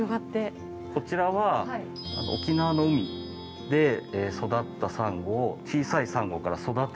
こちらは沖縄の海で育ったサンゴを小さいサンゴから育てて。